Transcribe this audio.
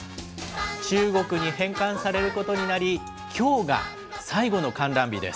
中国に返還されることになり、きょうが最後の観覧日です。